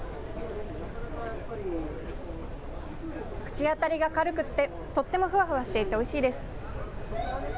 口当たりが軽くてとてもふわふわしていておいしいです。